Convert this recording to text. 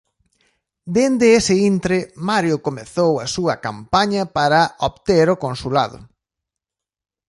Dende ese intre Mario comezou a súa campaña para obter o consulado.